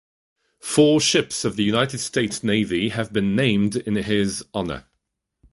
Four ships of the United States Navy have been named in his honor.